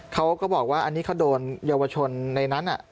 เขาก็บอกว่าอันนี้เขาโดนเยาวชนในนั้น